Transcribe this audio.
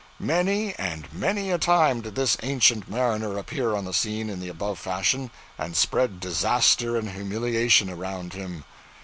Many and many a time did this ancient mariner appear on the scene in the above fashion, and spread disaster and humiliation around him.